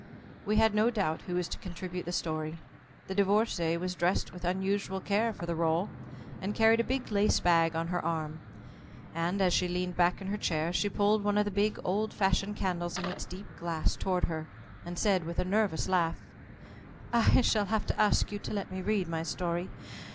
We had no doubt who was to contribute the story. The Divorcée was dressed with unusual care for the rôle, and carried a big lace bag on her arm, and, as she leaned back in her chair, she pulled one of the big old fashioned candles in its deep glass toward her, and said with a nervous laugh: "I shall have to ask you to let me read my story.